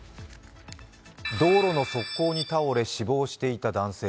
道路の側溝に倒れ、死亡していた男性。